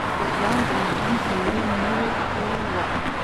د پلانک کوانټم تیوري نوې پیل وه.